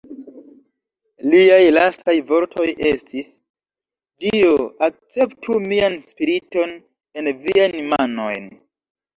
Liaj lastaj vortoj estis: "Dio, akceptu mian spiriton en Viajn manojn!".